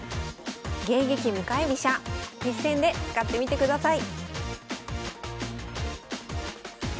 迎撃向かい飛車実戦で使ってみてください